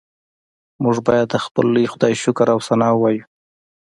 موږ باید د خپل لوی خدای شکر او ثنا ووایو